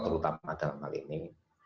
terutama dalam hal ini